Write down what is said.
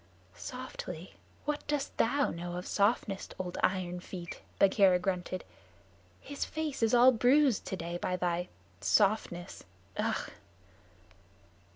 "Softly! What dost thou know of softness, old Iron feet?" Bagheera grunted. "His face is all bruised today by thy softness. Ugh."